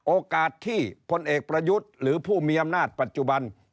โอกาสที่พลเอกประยุทธ์หรือผู้มีอำนาจปัจจุบัน